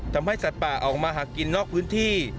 ทำให้สัตว์ป่าออกมาหากินนอกพื้นที่